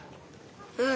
うん。